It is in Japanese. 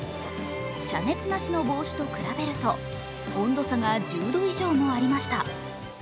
遮熱なしの帽子と比べると温度差が１０度以上もありました。